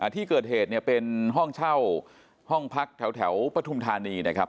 ที่เกิดเหตุเนี่ยเป็นห้องเช่าห้องพักแถวปฐุมธานีนะครับ